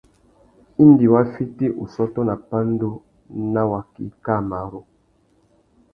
Indi wa fiti ussôtô nà pandú nà waki kā marru.